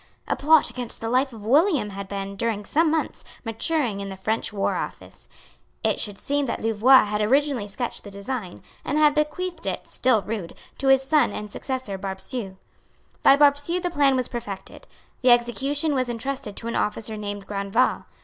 A plot against the life of William had been, during some months, maturing in the French War Office. It should seem that Louvois had originally sketched the design, and had bequeathed it, still rude, to his son and successor Barbesieux. By Barbesieux the plan was perfected. The execution was entrusted to an officer named Grandval.